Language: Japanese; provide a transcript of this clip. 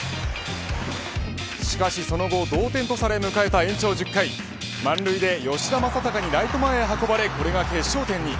しかしその後同点とされ迎えた延長１０回満塁で吉田正尚にライト前へ運ばれこれが決勝点に。